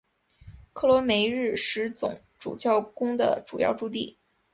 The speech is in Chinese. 克罗梅日什总主教宫的主要驻地。